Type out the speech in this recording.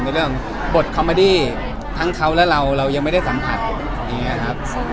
ในเรื่องบทคอมเมอดี้ทั้งเขาและเราเรายังไม่ได้สัมผัสอย่างนี้ครับ